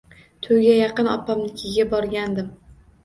Toʻyga yaqin opamnikiga borgandim.